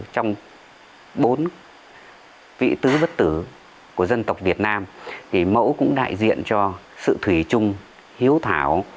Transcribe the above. trong bốn vị tứ bất tử của dân tộc việt nam mẫu cũng đại diện cho sự thủy chung hiếu thảo